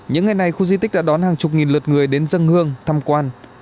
những ngày này khu di tích đã đón hàng chục nghìn lượt người đến dân hương thăm quan